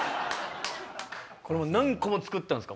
これもう何個も作ったんですか？